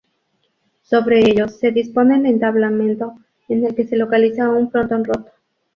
Sobre ellos se dispone el entablamento, en el que se localiza un Frontón Roto.